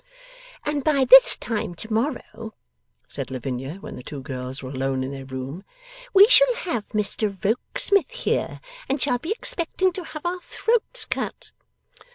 'And by this time to morrow,' said Lavinia when the two girls were alone in their room, 'we shall have Mr Rokesmith here, and shall be expecting to have our throats cut.